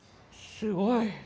すごい。